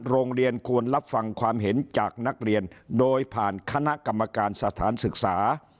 โรงเรียนควรรับฟังความเห็นจากนักเรียนโดยผ่านคณะกรรมการสถานศึกษา